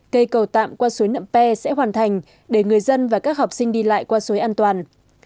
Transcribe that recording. cây cầu tạm qua suối nậm pe sẽ hoàn thành để người dân và các học sinh đi lại qua suối an toàn